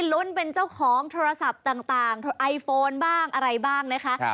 ลุ้นเป็นเจ้าของโทรศัพท์ต่างไอโฟนบ้างอะไรบ้างนะคะ